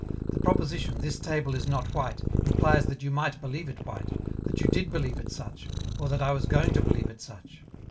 The proposition, "This table is not white," implies that you might believe it white, that you did believe it such, or that I was going to believe it such.